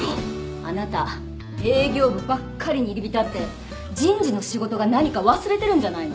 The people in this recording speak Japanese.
あなた営業部ばっかりに入り浸って人事の仕事が何か忘れてるんじゃないの？